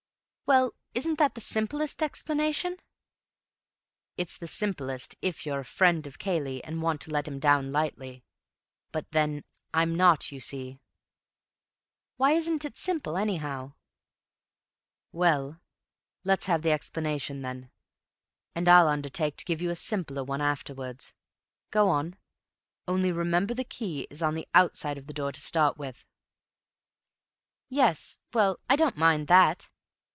"Well, isn't that the simplest explanation?" "It's the simplest if you're a friend of Cayley and want to let him down lightly. But then I'm not, you see." "Why isn't it simple, anyhow?" "Well, let's have the explanation then, and I'll undertake to give you a simpler one afterwards. Go on. Only remember—the key is on the outside of the door to start with." "Yes; well, I don't mind that.